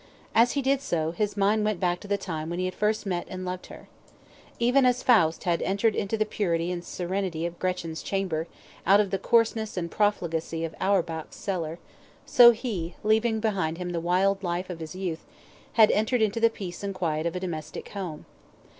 As he did so, his mind went back to the time when he had first met and loved her. Even as Faust had entered into the purity and serenity of Gretchen's chamber, out of the coarseness and profligacy of Auerbach's cellar, so he, leaving behind him the wild life of his youth, had entered into the peace and quiet of a domestic home.